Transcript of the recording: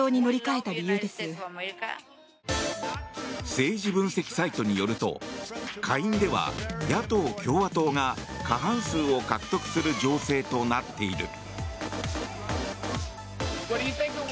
政治分析サイトによると下院では野党・共和党が過半数を獲得する情勢となっている。